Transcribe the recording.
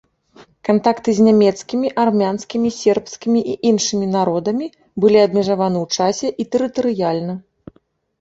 Кантакты з нямецкімі, армянскімі, сербскімі і іншымі народамі былі абмежаваны ў часе і тэрытарыяльна.